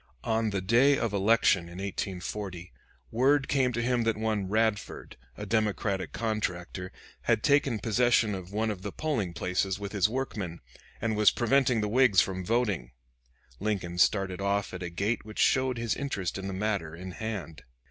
On the day of election in 1840, word came to him that one Radford, a Democratic contractor, had taken possession of one of the polling places with his workmen, and was preventing the Whigs from voting. Lincoln started off at a gait which showed his interest in the matter in hand.